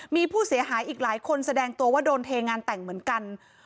มีผู้เสียหายอีกหลายคนแสดงตัวว่าโดนเทงานแต่งเหมือนกัน